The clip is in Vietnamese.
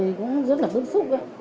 tôi cũng rất là bức xúc